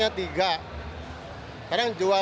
yang ditahan sebegitu dari